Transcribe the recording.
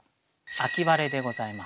「秋晴」でございます。